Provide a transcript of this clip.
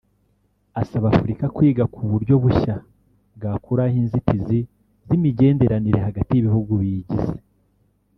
asaba Afurika kwiga ku buryo bushya bwakuraho inzitizi z’imigenderanire hagati y’ibihugu biyigize